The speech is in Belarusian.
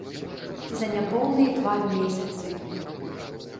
За няпоўныя два месяцы!